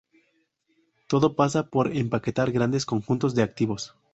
Todo pasa por empaquetar grandes conjuntos de activos.